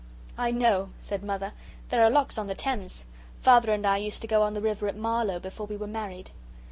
"I know," said Mother, "there are locks on the Thames. Father and I used to go on the river at Marlow before we were married."